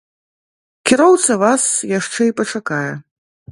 Кіроўца вас яшчэ і пачакае.